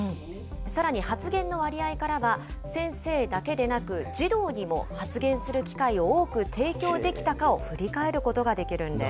さらに、発言の割合からは、先生だけでなく、児童にも発言する機会を多く提供できたかを振り返ることができるんです。